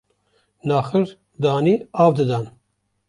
naxir dihanî av didan